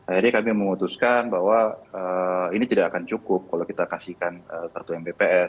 akhirnya kami memutuskan bahwa ini tidak akan cukup kalau kita kasihkan kartu mbps